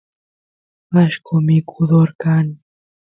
allqo mikudor kan